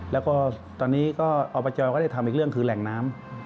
แล้วก็ตอนนี้ก็อบจก็ได้ทำอีกเรื่องคือแหล่งน้ำ